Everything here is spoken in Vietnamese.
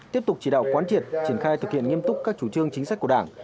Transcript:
tiếp tục chỉ đạo quán triệt triển khai thực hiện nghiêm túc các chủ trương chính sách của đảng